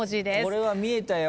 これは見えたよ